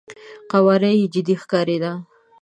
قواره يې جدي ښکارېده.